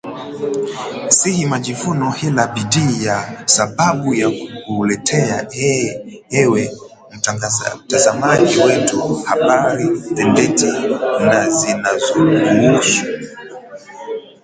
Si majivuno ila bidii kwa sababu ya kukuletea ewe mtazamaji wetu habari tendeti na zinazokuhusu